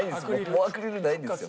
もうアクリルないんですよ。